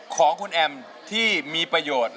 ของคุณแอมที่มีประโยชน์